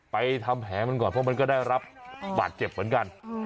ทำแผลมันก่อนเพราะมันก็ได้รับบาดเจ็บเหมือนกัน